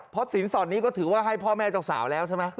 เพราะสินสอดนี้ก็ถือว่าให้พ่อแม่เจ้าสาวแล้วใช่ไหม